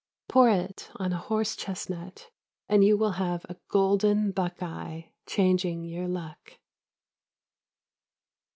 Pour it on a horse chestnut and you will have a golden buckeye changing your luck.